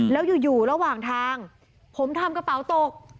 แล้วอยู่ระหว่างทางผมทำกระเป๋าตก